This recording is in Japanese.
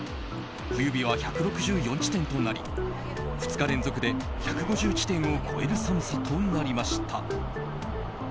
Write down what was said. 冬日は１６４地点となり２日連続で１５０地点を超える寒さとなりました。